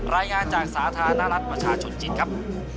รายงานจากสาธารณรัฐประชาชนจีนครับ